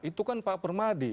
itu kan pak permadi